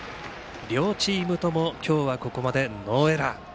両チームとも今日はここまでノーエラー。